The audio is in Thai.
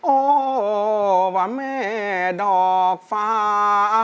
โอ้ว่าแม่ดอกฟ้า